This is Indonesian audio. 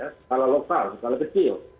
sekala lokal sekala kecil